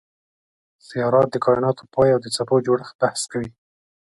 سیارات د کایناتو پای او د څپو جوړښت بحث کوي.